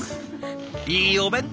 いいお弁当！